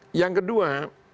nah yang kedua